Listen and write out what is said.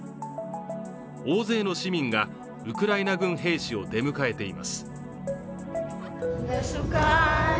大勢の市民が、ウクライナ軍兵士を出迎えています。